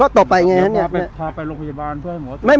ก็ต่อไปไงเนี้ยพาไปโรคพยาบาลเพื่อให้หมอ